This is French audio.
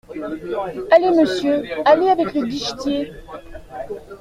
Allez, monsieur, allez avec le guichetier.